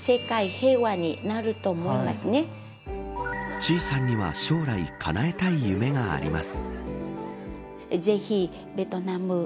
チーさんには将来かなえたい夢があります。